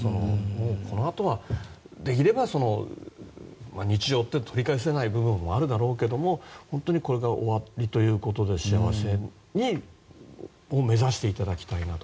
このあとはできれば日常で取り返せない部分もあるだろうけども本当にこれで終わりということで幸せを目指していただきたいなと。